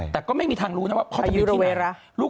แต่ก็ไม่มีทางรู้นะว่าพ่อจะไปที่ไหน